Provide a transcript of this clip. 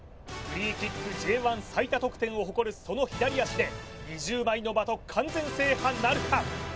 フリーキックＪ１最多得点を誇るその左足で２０枚の的完全制覇なるか？